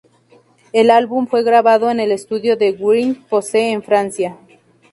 El álbum fue grabado en el estudio que Wright posee en Francia.